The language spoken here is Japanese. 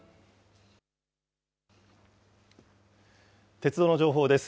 鉄道の情報です。